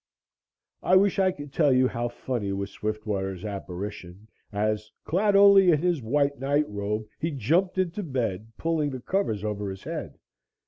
] I wish I could tell you how funny was Swiftwater's apparition, as, clad only in his white night robe, he jumped into bed, pulling the covers over his head.